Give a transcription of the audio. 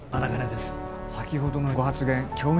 先ほどのご発言興味